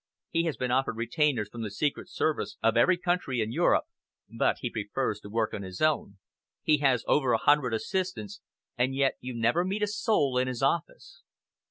He has been offered retainers from the Secret Service of every country in Europe, but he prefers to work on his own. He has over a hundred assistants, and yet you never meet a soul in his office...."